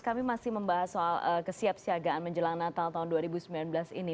kami masih membahas soal kesiapsiagaan menjelang natal tahun dua ribu sembilan belas ini